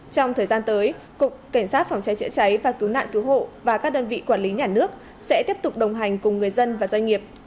trong thời gian tới cục cảnh sát phòng cháy chữa cháy và cứu nạn cứu hộ và các đơn vị quản lý nhà nước sẽ tiếp tục đồng hành cùng người dân và doanh nghiệp